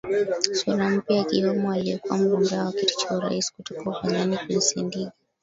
Sura mpya akiwemo aliyekuwa mgombea wa kiti cha urais kutoka upinzani Queen Sendiga